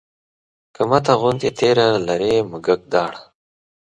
که مته غوندې تېره لري مږک داړه